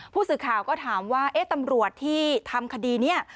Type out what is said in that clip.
ผู้สื่อข่าวก็ถามว่าตำรวจที่ทำคดีนี้